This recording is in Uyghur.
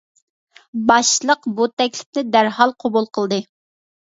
باشلىق بۇ تەكلىپنى دەرھال قوبۇل قىلدى.